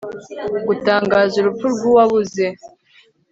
gutangaza urupfu rw uwabuze